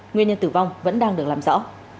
nguyên nhân tử vong vẫn đang được làm rõ